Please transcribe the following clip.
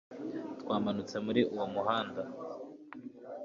twamanutse muri uwo muhanda